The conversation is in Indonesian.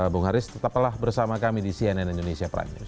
bung haris tetaplah bersama kami di cnn indonesia prime news